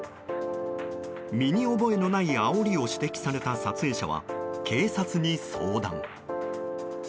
身に覚えのないあおりを指摘された撮影者は警察に相談。